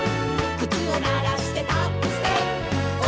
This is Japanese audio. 「くつをならしてタップステップ」